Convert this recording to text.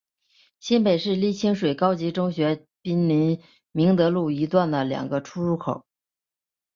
新北市立清水高级中学毗邻明德路一段的两个出入口。